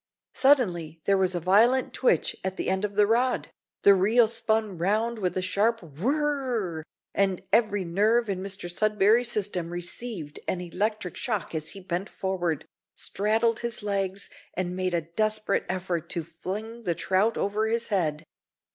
Suddenly there was a violent twitch at the end of the rod, the reel spun round with a sharp whirr r, and every nerve in Mr Sudberry's system received an electric shock as he bent forward, straddled his legs, and made a desperate effort to fling the trout over his head.